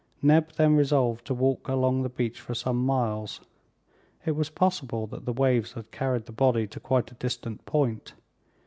Neb then resolved to walk along the beach for some miles. It was possible that the waves had carried the body to quite a distant point.